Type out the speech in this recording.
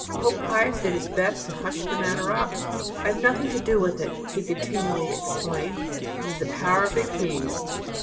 Pope Pius did his best to hush the matter up. "I have nothing to do with it," he continually exclaimed; "it is the power of the keys."